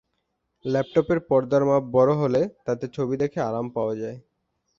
ল্যাপটপের পর্দার মাপ বড় হলে তাতে ছবি দেখে আরাম পাওয়া যায়।